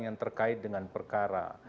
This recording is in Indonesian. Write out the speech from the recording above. yang terkait dengan perkara